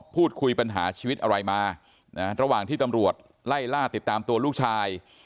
พูดคุยปัญหาชีวิตอะไรมาระหว่างที่ตำรวจไล่ล่าติดตามตัวลูกชาย